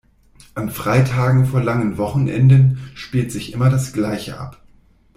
An Freitagen vor langen Wochenenden spielt sich immer das Gleiche ab.